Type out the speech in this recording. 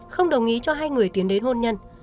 không đồng ý cho hai người tiến đến hôn nhân